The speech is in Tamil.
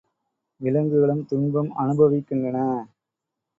விலங்குகளும் துன்பம் அனுபவிக்கின்றன.